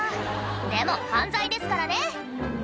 でも犯罪ですからね！